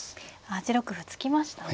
８六歩突きましたね。